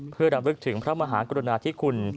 เพื่อรำลึกถึงพระมหากรุณาธิคุณ